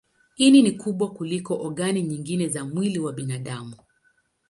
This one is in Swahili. Ini ni kubwa kuliko ogani nyingine za mwili wa binadamu.